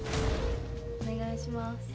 おねがいします。